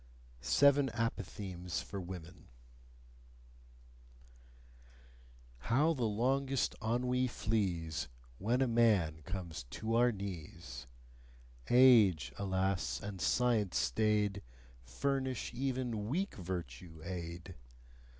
SEVEN APOPHTHEGMS FOR WOMEN How the longest ennui flees, When a man comes to our knees! Age, alas! and science staid, Furnish even weak virtue aid.